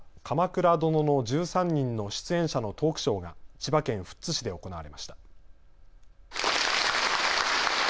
鎌倉殿の１３人の出演者のトークショーが千葉県富津市で行われました。